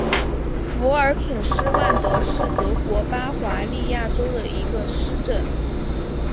福尔肯施万德是德国巴伐利亚州的一个市镇。